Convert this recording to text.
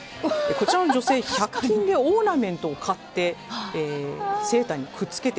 こちらの女性、１００均でオーナメントを買ってセーターにくっつけて。